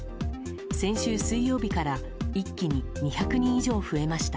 先週水曜日から一気に２００人以上増えました。